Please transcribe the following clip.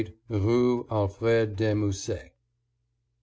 68 RUE ALFRED DE MUSSET.